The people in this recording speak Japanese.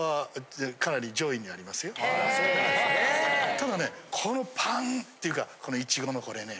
ただねこのパンっていうかこのイチゴのこれね。